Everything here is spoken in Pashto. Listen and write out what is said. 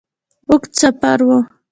اوږد سفر وو.